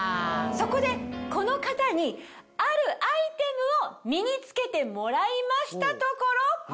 そこでこの方にあるアイテムを身に着けてもらいましたところ。